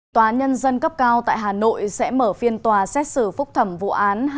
tòa nhân dân cấp cao tại hà nội sẽ mở phiên tòa xét xử phúc thẩm vụ án